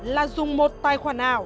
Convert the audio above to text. là dùng một tài khoản ảo